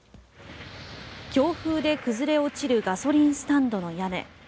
強風で崩れ落ちるガソリンスタンドの屋根。